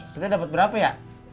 kita dapet berapa ya